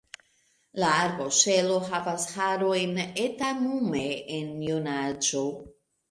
La arboŝelo havas harojn etamume en junaĝo.